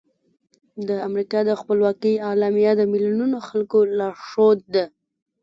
د امریکا د خپلواکۍ اعلامیه د میلیونونو خلکو لارښود ده.